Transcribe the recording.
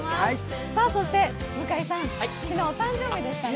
向井さん、昨日お誕生日でしたね。